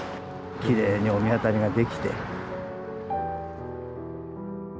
きれいに御神渡りが出来て。